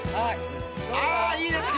ああいいですよ。